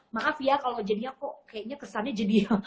maaf ya kalau jadinya kok kayaknya kesannya jadi ya